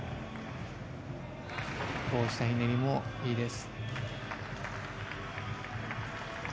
棒下ひねりもいいです。